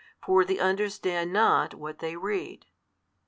For they understand not, what they read.